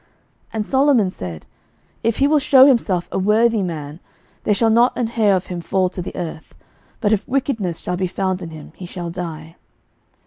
11:001:052 And Solomon said, If he will shew himself a worthy man, there shall not an hair of him fall to the earth: but if wickedness shall be found in him, he shall die.